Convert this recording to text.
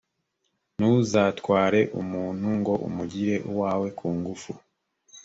ntuzatware umuntu ngo umugire uwawe ku ngufu.